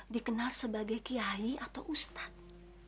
dikenal sebagai kiai atau ustadz